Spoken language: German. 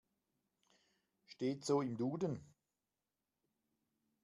Steht so im Duden.